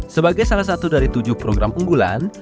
sebagai salah satu dari tujuh program unggulan